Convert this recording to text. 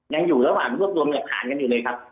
ยังอยู่ระหว่างรวบรวมหลักฐานกันอยู่เลยครับ